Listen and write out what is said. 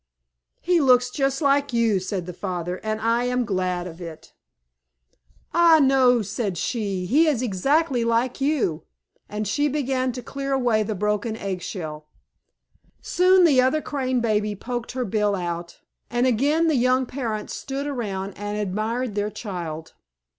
"He looks just like you," said the father, "and I am glad of it." "Ah, no," said she. "He is exactly like you." And she began to clear away the broken egg shell. Soon the other Crane baby poked her bill out, and again the young parents stood around and admired their child.